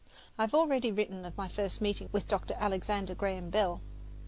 I have already written of my first meeting with Dr. Alexander Graham Bell.